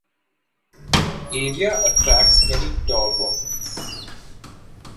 The area attracts many dog walkers.